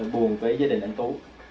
buồn với gia đình anh tú